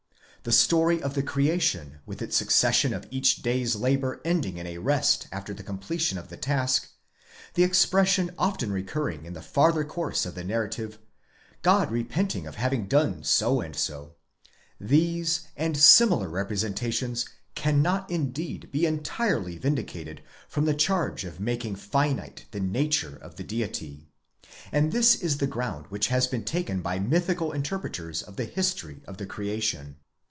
The story of the creation with its succession of each day's labour ending in a rest after the completion of the task ; the expression often recurring in the farther course of the narrative, God repented of having done so and so ;—these and similar representations cannot indeed be entirely vin dicated from the charge of making finite the nature of the Deity, and this is the ground which has been taken by mythical interpreters of the history of the creation.